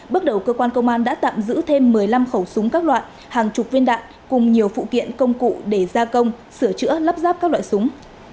bước đầu cơ quan công an đã tạm giữ thêm một mươi năm khẩu súng các loại hàng chục viên đạn cùng nhiều phụ kiện công cụ để gia công sửa chữa lắp ráp các loại súng